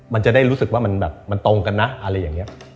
มันจะได้รู้สึกว่ามันแบบมันตรงกันนะอะไรอย่างนี้